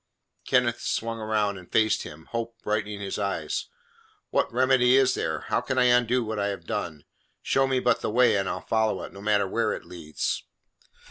Kenneth swung round and faced him, hope brightening his eyes. "What remedy is there? How can I undo what I have done? Show me but the way, and I'll follow it, no matter where it leads!"